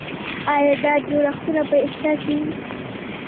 دا د جوړښتونو په اصلاح کې وي.